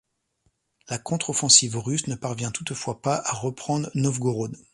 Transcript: La contre-offensive russe ne parvient toutefois pas à reprendre Novgorod.